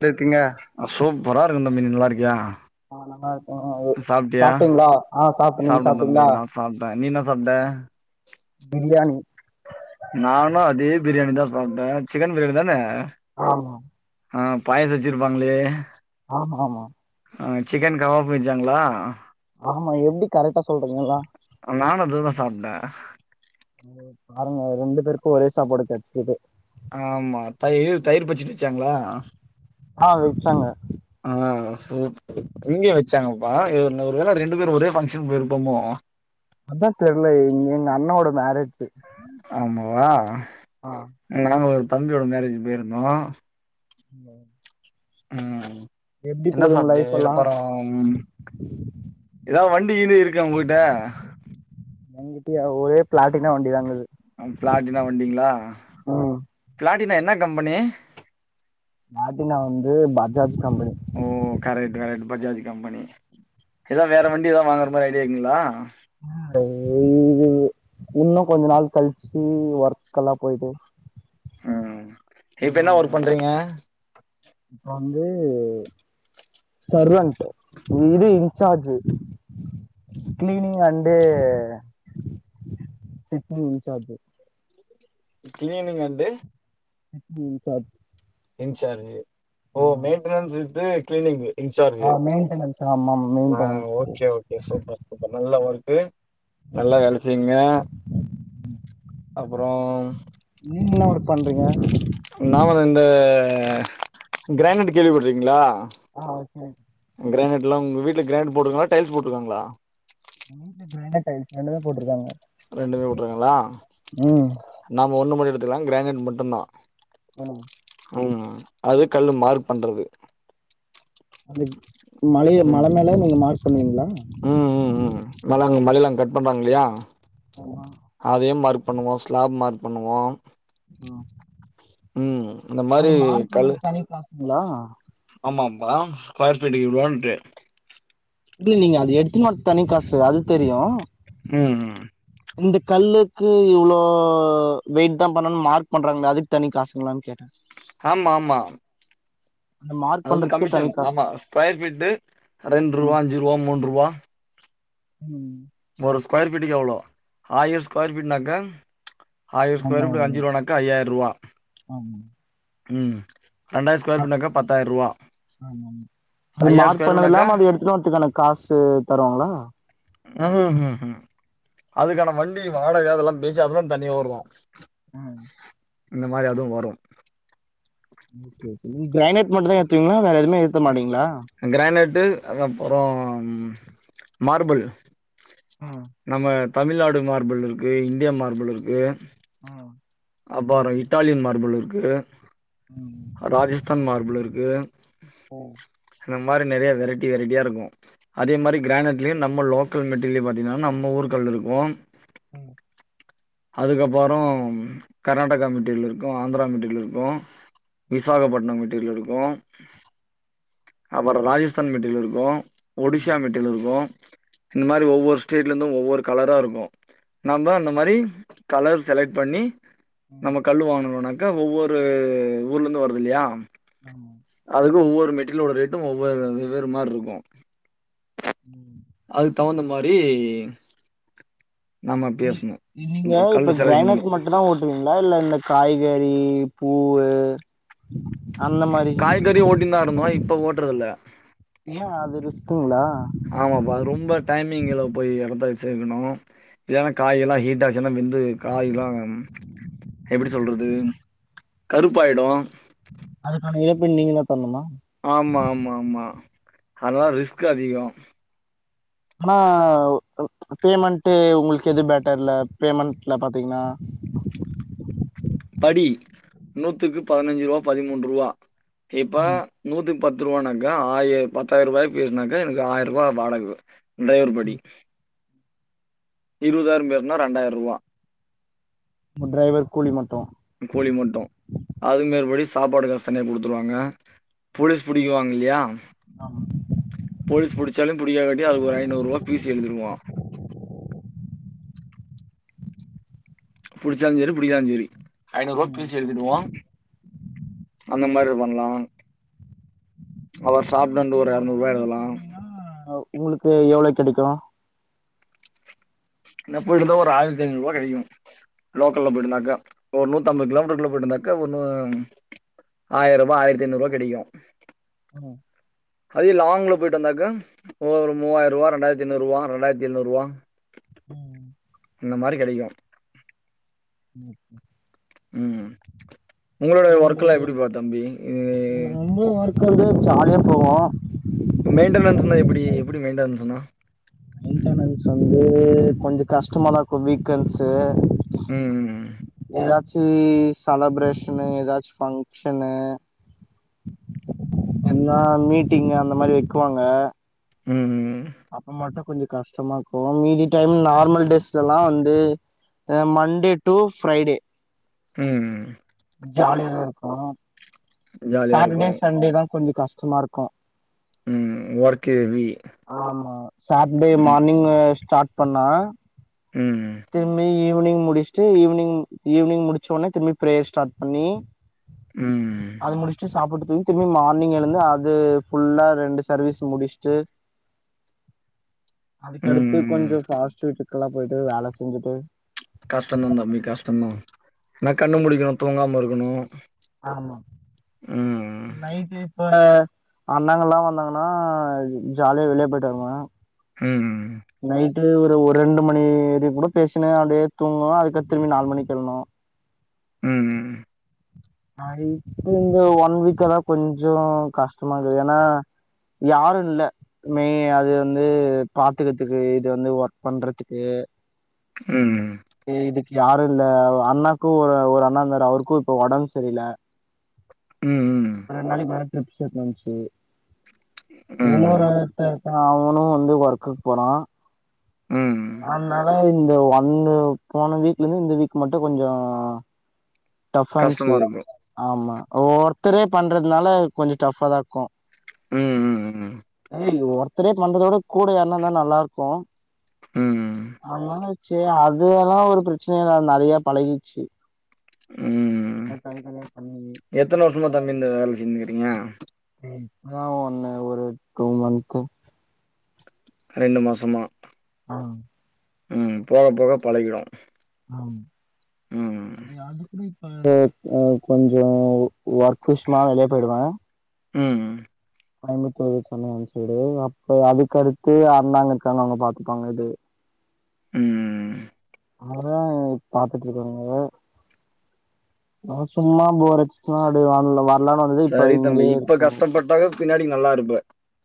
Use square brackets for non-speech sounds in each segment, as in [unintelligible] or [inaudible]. பேப்பிங்க அ சூப்பரா இருக்கு இந்த மீன் நல்லா இருக்கியா ஆ நல்லா இருக்க [unintelligible] சாப்ட்டியா சாப்ட்டீங்ளா ஆ சாப்ட்டே நீங்க தம்பி சாப்ட்டீங்கக்ஷளா நா சாப்ட்டே நீ என்ன சாப்ட்ட பிரியாணி நானு அதே பிரியானி தா சாப்ட்டே சிக்கன் பிரியானி தான ஆமா ஆ பாயச வெச்சிருப்பாங்ளே ஆமா ஆமா ஆ சிக்கன் கவாப்பு வச்சாங்களா ஆமா எப்டி கரெக்டா சொல்றீங்க எல்லா அ நானு அதுதா சாப்பட்டே ஏ பாருங்க ரெண்டு பேருக்கும் ஒரே சாப்பாடு கெடச்சுது ஆமா தயிர் தயிர் பச்சடி வச்சாங்களா ஆ வச்சாங்க ஆ ஆ சூப்பர் இங்கயு வச்சாங்கப்பா எ ஒரு வேள ரெண்டு பேரும் ஒரே ஃபங்க்ஷன் போயிருப்போமோ அதா தெரில இங்க எங்க அண்ணாவோட மேரேஜு ஆமாவா ஆ நாங்க ஒரு தம்பியோட மேரேஜ் போயிருந்தோ ம் ம் என்ன போது உங்க சாப்டிய லைஃப் இது எல்லா அப்புறம் ஏதா வண்டி கிண்டி இருக்கா ஒங்க்கிட்ட எங்ககிட்டிய ஒரே ப்ளாட்டின வண்டி அங்கது ம் பிளாட்டினா வண்டிங்களா ம் பிளாட்டினா என்ன கம்பெனி பிளாட்டினா வந்து பஜாஜ் கம்பெனி ஓ கரெக்ட் கரெக்ட் பஜாஜ் கம்பெனி எதா வேற வண்டி ஏதா வாங்குற மாரி ஐடியா இருக்குங்களா வேற இது இன்னும் கொஞ்ச நாள் கழிச்சு ஒர்க்க எல்லா போயிட்டு ம் இப்ப என்ன ஒர்க் பண்றீங்க இப்போ வந்து சர்வன்ட் இது incharge cleaning and sitting incharge cleaning and city incharge incharge ஓ மெயின்டெய்ன்னஸ் வித்து கிளீனிங்கு இன்சார்ஜ் ஆ மெயின்டெனன்ஸ் ஆமாம் ஆ maintenance okay okay super super நல்லா ஒர்க்கு நல்லா வேல செய்ங்க அப்புறோ நீ என்ன ஒர்க் பண்றீங்க நாம வந்து இந்த கிரானைட் கேள்விப்பட்ருகீங்களா ஆ கே கிரானட்லாம் உங்க வீட்ல கிரனைட் போட்டுருக்கங்களா டைல்ஸ் போட்டுருக்காங்களா எங்க வீட்ல கிரானைட் டைல்ஸ் ரெண்டுமே போட்ருக்காங்க ரெண்டுமே போட்டுருங்களா நாம ஒண்ணு மட்டு எடுத்துக்கலா கிரானைட் மட்டும்தா ம் ம் அது கல்லு மார்க் பண்றது அது மலைய மல ம் மேல நீங்க மார்க் பண்ணுவீங்களா ம் ம் ம் மேல அங்க மலைலா கட் பண்றாங்க இல்லையா ஆமா அதே மார்க் பண்ணுவோம் ஸ்லாப் மார்க் பண்ணுவோம் இந்த அது மாரி மார்க் பண்றது தனிக் காசுங்ளா ஆமா பாம் ஸ்கொயர் ஃபீட்டுக்கு இவ்ளோன்ட்டு இல்ல நீங்க அது எடுத்துனு வரத் தனி காசு அது தெரியு ம் ம் இந்தக் கல்லுக்கு இவ்ளோ வெயிட்தா பண்ணுனு மார்க் பண்றாங்ள அதுக்கு தனி காசுங்ளான் கேட்டே ஆம் மா மா அந்த மார்க் அது வந்து பண்றதுக்கே தனி கமிஷன் காசு ஆமா ஸ்கொயர் ஃபீட்டு ரெண்ருவா ம் அஞ்சுருவா மூன்ருவா ம் ஒரு ஸ்கொயர் ஃபீட்டுக்கு எவ்ளோ ஆயிர ஸ்கொயர் ஃபீட்னாக்கா ஆயிர ஸ்கொயர் ஃபீட்டு ரெண்டாயிரம் ரூபா. அஞ்சிருவானாக்கா ஐயாயிர்ருவா ஆமா ம் ரெண்டாயிர ஸ்கொயர் ஃபீட்னாக்கா பத்தாயிர்ருவா ஐயாயிர ஸ்கொயர் ஃபீட்னாக்கா நோத்துக்கான காசு தருவங்ளா ம் ம் ம் ம் அதுக்கான வண்டி வாடக அதலாம் பேசி அததா தன்னியா ஓடுதா ஆ இந்த மாரி அதுவு வரு கிரைனேட் மட்டுந்தா ஏத்துவீங்ளா வேற எதுமே ஏத்த மாட்டீங்ளா கிரைனேட்டு அது அப்பறோம் மார்பிள் ம் நம்ம தமிழ்நாடு மார்பிள் இருக்கு இன்ட்டியா மார்பிள் இருக்கு ம் அப்பாறோ இட்டாலியன் மார்பிள் இருக்கு ம் ராஜஸ்தான் மார்பிள் இருக்கு ம் அந்த மாரி நெறைய வெரைட்டி வெரைட்டியா இருக்கு அதே மாரி கிரானைட்லியு நம்ம லோக்கல் மெட்டீரிலியு பாத்திங்னாலு நம்ப ஊருக் கல்லுருக்கு ம் அதுக்கப்பாறோம் கர்நாடகா மெட்டீரியல் இருக்கு ஆந்தரா மெட்டீரியல் இருக்கு விசாகப்பட்ன மெட்டீரியல் இருக்கு அப்பற ராஜஸ்தான் மெட்டீரியல் இருக்கு ம் ம் ஒடிசா மெட் டிரியல் இருக்கு இந்த மாரி ஒவ்வொரு ஸ்டேட்லந்து ஒவ்வொரு கலராருக்கு நாந்தா அந்த ம் மாரி கலர் செலக்ட் பண்ணி ம் நம்ம கல்லு வாங்குணுனாக் கா ஒவ்வொரு ஊர்லந்து வருதில்லியா ஆமா அதுக்கு ஒவ்வொரு மெட்டீரியலோட ரேட்டு ஒவ்வொரு வெவ்வேறு மார்ருக்கு ம் அதுக் தவுந்த மாரி நம்ம நீரு பேசணும். இன் நீங்க ம் கல்லு இப்ப செலக்ஷன் பண்ணி. கிரானைட் மட்டுந்தா ஓட் டிரிங்ளா இல்ல இந்த காய்கறி பூவூ அந்த மாரி காய்கறி ஓட்டிந்தா இருந்தோ இப்ப ஓட்றதுல்ல ஏ அது ரிஸ்க்குங்ளா ஆமாப்பா அது ரொம்ப டைமிங்கில போய் எடத்த சேக்குணு ஏனா காய் எல்லா ஹீட்டாச்சுனா வெந்து காய்லாம் எப்டி சொல்றது கருப்பாய்டு அதுக்கான இழப்பு நீங்கதா தர்ணுமா ஆமா மா மா அதலா ரிஸ்க்கு அதிகோ ஆனா பேமெண்ட்டு உங்குள்க்கு எது பேட்டர்ல பேமெண்ட்ல பாத்தீங்னா படி நூத்துக்கு பதினஞ்சுருவா பதிமூன்ருவா இப்ப ம் நூத்துக்கு பத்துருவானாக்கா ஆய பத்தாயிருவாயா பேச்னாக்கா எனக்கு ஆயிர்ருவா வாடகவு டைவர் படி இருபதாயிரம் பேசனா ரெண்டாயிரூபா டிரைவர் கூலி மட்டும் கூலி மட்டும் அது மேற்படி சாப்பாடு காசு தனியா கொடுத்துருவாங்க போலீஸ் புடிக்குவாங்கலயா ஆமா போலீஸ் பிடிச்சாலும் பிடிக்காட்டி அது ஒரு ஐநூறுபா பீஸ் எழுதிடுவான் புடிச்சாலும் சேரி புடிக்காச் சேரி ஐநூறூபா ம் பீஸ் எழுதிடுவோம் அந்த மாரி பண்ணலாம் அவர் சாப்டந்து ஒரு எறநூறூபா எதலாம் ஆ உங்களுக்கு எவ்ளோ கிடைக்கும் என்ன போயிட்டு வந்தா ஒரு ஆயிரத்தி ஐநூறூபா கிடைக்கும் லோக்கல்ல போயிருந்தாக்கா ஒரு நூத்தம்பது கிலோ மீட்டர்குள்ள போயிருந்தாக்கா ஒன்னு ஆயிரரூபா ஆயிரத்தி ஐநூறூபா கிடைக்கும் ம் அதே லாங்கல போய்ட்டு வந்தாக்கா ஒரு மூவாயிறூபா ரெண்டாயிரத்தி ஐநூறூபா ரெண்டாயிரத்தி ஏல்நூறூபா ம் இந்த மாரி கிடைக்கும் ம் ம் உம் உங்களோட ஒர்க்லாம் எப்டிபா தம்பி எ ரொம்ப ஒர்க்லா இல்ல ஜாலியா போவோம் மெயின்டனன்ஸ்ண்ணா எப்டி எப்டி மெயின்டனன்ஸ்னா மெயின்டனன்ஸ் வந்து கொஞ்சோ கஷ்டமாதான் இருக்கும் வீக்கண்ஸ்சு ம் ஏதாச்சும் செலபரேஷனு ஏதாச்சும் ஃபங்க்ஷன்னு என்னா மீட்டிங் அந்த மாரி வைக்குவாங்க ம் ம் அப்ப மட்டும் கொஞ்சோ கஷ்டமா இருக்கும் மீதி டைம் நார்மல் டேஸ்லல்லாம் வந்து மண்டே டூ ஃபிரைடே ம் ஜாலியா இருக்கும் ஜாலியா சாட்டர்டே இருக்கு சண்டே தான் கொஞ்சோ கஷ்டமா இருக்கு ம் ஒர்க் ஹெவி ஆமா சாட்டர்டே ம் மார்னிங் ஸ்டாட் பண்ணா ம் ம் திரும்பி ஈவினிங் முடிச்ட்டு ஈவினிங் ஈவினிங் முடிச்ச உடனே திரும்பி பிரேயர் ஸ்டாட் பண்ணி ம் ம் அது முடிச்சுட்டு சாப்பிட்டு தூங்கி திரும்பி மார்னிங் எழுந்து அது ஃபுல்லா ரெண்டு சர்வீஸ் முடிச்சுட்டு [unintelligible] அதுக்கடுத்து ம் கொஞ்சோ பாஸ்ட் வீட்டுக்கெல்லாம் போய்ட்டு வேல செஞ்சுட்டு கஷ்டம் தான் தம்பி கஷ்டம்தான் என்னா கண்ணு முழிக்கணும் தூங்காம இருக்கணும் ஆமா ம் நைட்டு் இப்ப அண்ணாங்கல்லாம் வந்தாங்கன்னா ஜாலியா வெளியே போய்ட்டு வருவோ ம் ம் நைட்டு ஒரு ஒரு ரெண்டு மணி வர கூட பேசினா அப்டே தூங்கனா அதுக்கத்து திரும்பி நாலு மணிக்கு எழனும் ம் ம் ஆ இப்ப இந்த ஒன் வீக்காதான் கொஞ்சோ கஷ்டமா இருக்கு ஏன்னா யாரும் இல்ல மெயினா அது வந்து பாத்துக்கிறதுக்கு இது வந்து ஒர்க் பண்றதுக்கு ம் ம் இ இதுக்கு யாரும் இல்ல அண்ணாக்கும் ஒரு ஒரு அண்ணா இருந்தாரு அவருக்கும் இப்ப உடம்பு செரியில்ல ம் ம் ரெண்டு நாளைக்கு முன்னாடி டிரிப்ஸ் ஏத்தின்வந்துச்சி ம் ஒன்னோரு ஒருத்தன் இருக்கான் அவனும் வந்து ஒர்க்குக்கு போறா ம். அதனால இந்த ஒன்னு போன வீக்ல இருந்து இந்த வீக் மட்டு கொஞ்சோ டஃப் இருச்சி கஷ்டமா இருக்கும். ஆமா ஒருத்தரே பண்றதுனால கொஞ்சோ டஃப தா இருக்கு ம் ம் ம் ம் [unintelligible] ஒருத்தரே பண்றதோட கூட யார்னாருந்த நல்லா இருக்கு ம், அதனால செரி அதுவெல்லா ஒரு ப்ரச்சனைல்ல அது நெறைய பழகிச்சு ம் ம் காய் தனியா பண்ணி எத்தன வர்ஷமா தம்பி இந்த வேல செஞ்சுக்கிறீங்க ம் இப்பதா ஒன்னு ஒரு டூ மந்த்து ரெண்டு மாசம்மா ஆ ம் போக போக பழகிடு ஆ அது கூட இப்ப ஆ கொஞ்சோ ஒர்க் விஷ்மா வெளியே போய்டுவே ம் ம் கோயம்பத்தூர் சென்னை அந் சைடு அப்ப அதுக்குடுத்து எ அண்ண அங்கெருக்காங்க அவுங்க பாத்துப்பாங்க இது ம் ம் அததா இப் பாத்துட்ருக்கங்க நம்ம சும்மா போறச்சுன்னா அப்டே [unintelligible] சரி தம்பி இப்ப கஷ்டப்பட்டாக பின்னாடி நல்லா இருப்ப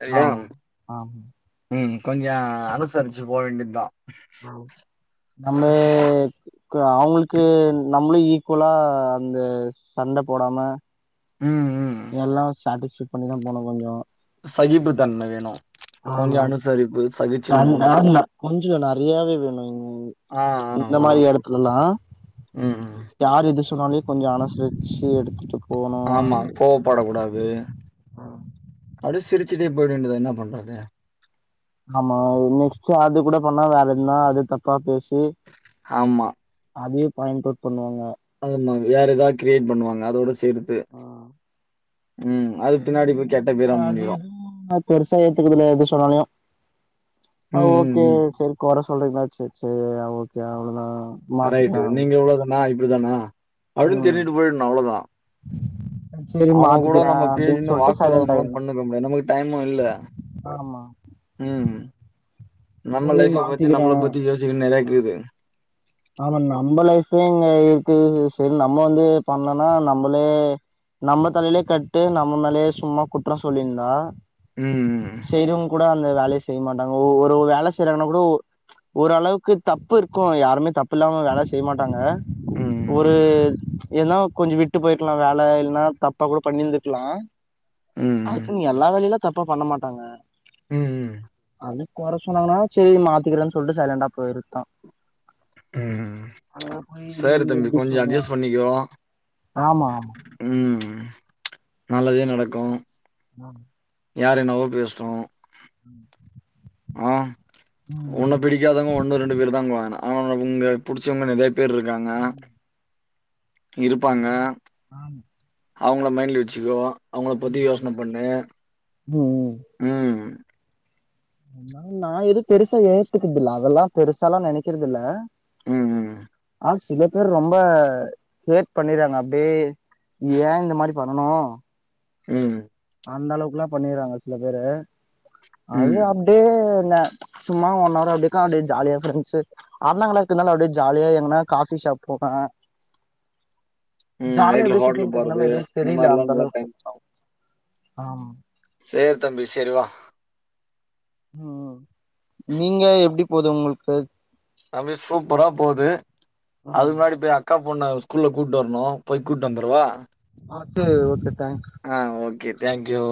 சரியா ஆமா ஆமா ம் கொஞ்ச அனுசரிச்சு போ வேண்டிதா ம் நம்மே க்கு அவுங்களுக்கு நம்மளு ஈக்குவலா அந்த சண்ட போடாம ம், ம். எல்லா சாட்டிஸ்பை பண்ணிதா போன கொஞ்சோ சகிப்பு தன்ம வேணு கொஞ்சோ ஆமா அனுசரிப்பு சகிச்சுன்னு போனு [unintelligible] நறையாவே வேணு ஆ, ஆ, இந்த ஆ. மாரி எடத்துலலா ம். யாரு எது சொன்னாலே கொஞ்சோ அனுசரிச்சு எடுத்துட்டு போணு ஆமா கோவப்படக்க கூடாது அப்டே சிரிச்சுட்டே போய்ட வேண்டி தா என்ன பண்றாது ஆமா நெக்ஸ்ட் அது கூட பண்ணா வேற எதுனா அது தப்பா பேசி ஆமா அதே பாயிண்ட் அவுட் பண்ணுவாங்க அதே மாரி வேற ஏதாவுது கிரியேட் பண்ணுவாங்க அதோட சேர்த்து ஆ. ம் அது சேரி பின்னாடி போய் கேட்ட பேர அது மூஞ்சிடு எதுவும் நா பெருசா ஏத்துக்குதுல எது சொன்னாலயு ம், ம், ஓகே ம். சரி கொற சொல்றீங்களா செரி செரி ஓகே அவ்ளோதா ரைட்டு மாத்திக்கலாம் நீங்க எவ்ளோதானா இப்டிதானா அப்டின் ம் தெரிஞ்சுட்டு போயிடுனு அவ்ளோதா ம் செரி மாத்திக்கிறே நம்ம அப்டின் பேசின சொல்ட்டு சைலன்ட் வாக்குவாதம்லாம் ஆயிடுனு பண்ணிக்க முடியாது. நமக்கு டைமும் இல்ல. ஆமா ம் நம்ம சரி லைஃப பத்தி நம்பள மாத்திக்கிறேன் பத்தி யோசிக்கணு நெறையா இக்குது ஆமா நம்ம லைப்லயே இங்க இருக்கு சரி நம்ம வந்து பண்ணோம்னா நம்பளே நம்ம தலையிலே கட்டு நம்ம மேலேயே சும்மா குற்ற சொல்லிருந்தா ம், செய்றவங்க கூட அந்த வேலய செய்ய மாட்டாங்க ஒ ஒரு வேல செய்யறாங்கன்னா கூட ஓ ஓரளவுக்கு தப்புருக்கு யாருமே தப்புல்லாம வேல செய்ய மாட்டாங்க ம், ஒரு ஏன்னா கொஞ்ச விட்டு போய்ருக்கலா வேல இல்ன்னா தப்பா கூட பண்ணிருந்துக்கலா ம், அ ம், க்குன் எல்லா வேலையிலா தப்பா பண்ண மாட்டாங்க ம் ம் அதுக் கொற சொன்னாங்கன்னா செரி மாத்திக்கிறன் சொல்ட்டு சைலண்டா போயிருதான் ம் போய் செரி நீங்க தம்பி எப்படி கொஞ்சோ சொல்லலாம் அட்ஜஸ் பண்ணிக்கோ ஆமா ஆமா ம் ம் நல்லதே நடக்கு ஆ யார் என்னவோ பேசட்டு ம் ஆ ஒண்ணு ம். பிடிக்காதவங்க ஒண்ணு ரெண்டு பேரு தாங்க வாாங்க ஆனா உங்க பிடிச்சவங்க நெறயா பேரு இருகாங்க ஆமா. இருப்பாங்க நான் ஆமா. அவங்கள மைண்ட்ல வச்சுக்கோ அவங்கள பத்தி ம், யோசன பண்ணு ம் ம் ம் ஆ நா எதுவு பெருசா ஏத்துக்குதில்ல அதெல்லா பெருசாலா நெனைக்கறதில்ல ம் ம் ஆ சில பேர் ரொம்ப ஹேர் பண்ணிறாங்க அப்டியே ஏ இந்த மாரி பண்ணனு ம் அந்த அளவுக்குலா பண்ணிறாங்க சில பேரு அது ம் அப்டியே என்ன சும்மா ஒன் அவர் அதுக்காண்டி ஜாலியா ப்ரெண்ட்ஸ்சு அண்ணங்களா இருந்தாலு அப்டியே ஜாலியா எங்கனா காபி ஷாப் போவே ம் ஜாலியா நைட்ல அப்டியே ஹோட்ல சுத்தின்னுக்கிறதுனால போறது எதுவு இந்த மாரில ஆ சேரி தம்பி செரிவா ம் நீங்க எப்டி போது உங்கள்க்கு அப்டியே சூப்பரா போது அது ம் முன்னாடி போய் அக்காபொண்ண ஸ்கூல்ல கூட்டு வரணு போய் கூட்டு வந்தரவா மட்டு ஓகே தேங்யூ ஆ ஓகே தேங்க்யூ